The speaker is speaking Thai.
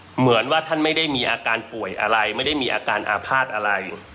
เหมือนว่าท่านไม่ได้มีอาการป่วยอะไรไม่ได้มีอาการอาภาษณ์อะไร